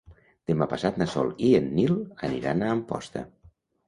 Demà passat na Sol i en Nil aniran a Amposta.